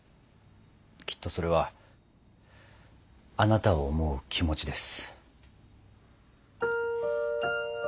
きっとそれはあなたを思う気持ちです。